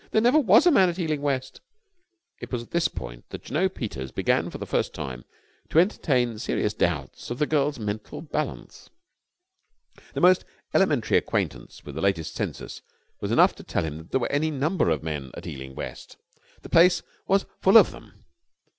There never was a man at Ealing West!" It was at this point that Jno. Peters began for the first time to entertain serious doubts of the girl's mental balance. The most elementary acquaintance with the latest census was enough to tell him that there were any number of men at Ealing West. The place was full of them.